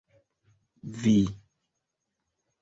vi